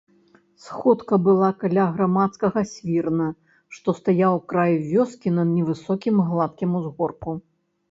Сходка была каля грамадскага свірна, што стаяў край вёскі на невысокім гладкім узгорку.